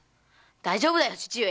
大丈夫だよ父上。